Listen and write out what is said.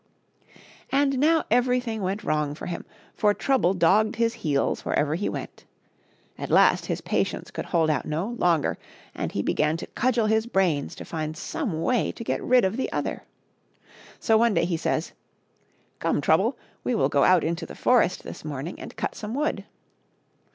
And now everything went wrong with him, for Trouble dogged his heels wherever he went. At last his patience could hold out no longer, and he began to cudgel his brains to find some way to get rid of the other. So one day he says, " Come, Trouble, we will go out into the forest this morning and cut some wood."